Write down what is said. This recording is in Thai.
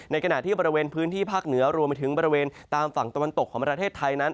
ขณะที่บริเวณพื้นที่ภาคเหนือรวมไปถึงบริเวณตามฝั่งตะวันตกของประเทศไทยนั้น